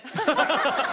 ハハハハハ。